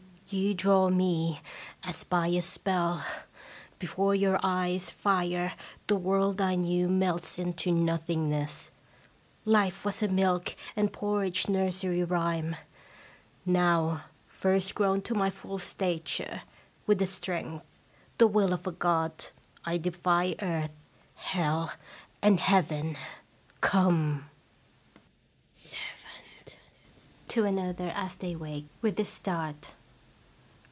You draw me as by a spell. Before your eyes* fire the world I knew melts into nothingness! Life was a milk and por ridge nursery rhyme ! Now first grown to my full stature, with the strength, the will of a god, I defy earth, hell, and heaven ! Come ! Servant. (To another as they wake with a start.)